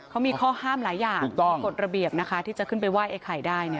เขามีข้อห้ามหลายอย่างมีกฎระเบียบนะคะที่จะขึ้นไปไหว้ไอ้ไข่ได้เนี่ย